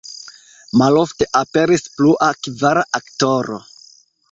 Malofte aperis plua, kvara aktoro.